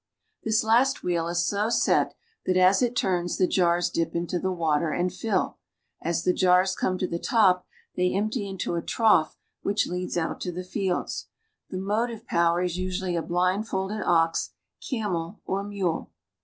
This last wheel is so set that, as it turns, the jars dip into the water and fill. As the jars come to the top ley empty into a High which leads to the fields. 'he motive power usually a blind ilded ox, camel, or lule.